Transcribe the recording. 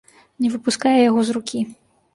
Не выпускае яго з рукі.